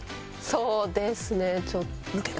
そうですね。